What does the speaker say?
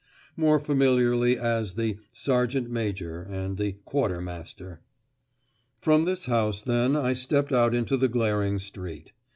(more familiar as the "sergeant major" and the "quartermaster"). From this house, then, I stepped out into the glaring street.